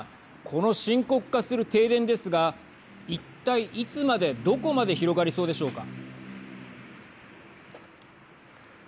この深刻化する停電ですが一体いつまでどこまで広がりそうでしょうか。